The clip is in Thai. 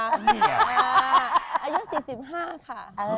อายุ๔๕ค่ะ